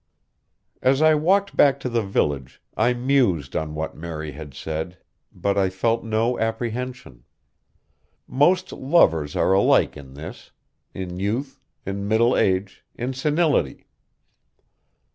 As I walked back to the village I mused on what Mary had said, but I felt no apprehension. Most lovers are alike in this in youth, in middle age, in senility.